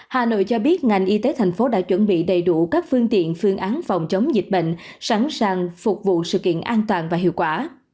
hà nội cho biết ngành y tế thành phố đã chuẩn bị đầy đủ các phương tiện phương án phòng chống dịch bệnh sẵn sàng phục vụ sự kiện an toàn và hiệu quả